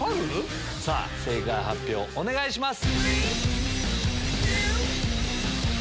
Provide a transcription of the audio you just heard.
正解発表をお願いします。